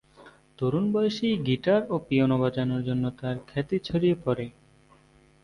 তরুণ বয়সেই গিটার ও পিয়ানো বাজানোর জন্য তার খ্যাতি ছড়িয়ে পড়ে।